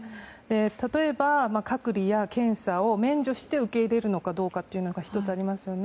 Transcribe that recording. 例えば、隔離や検査を免除して受け入れるのかどうかというのも１つ、ありますよね。